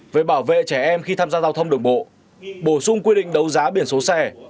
về bảo vệ trẻ em khi tham gia giao thông đường bộ bổ sung quy định đấu giá biển số xe